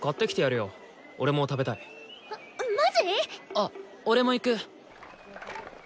あっ俺も行く！